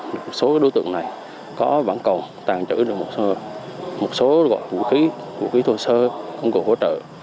một số đối tượng này có bản cầu tàn trữ được một số vũ khí vũ khí thô sơ công cụ hỗ trợ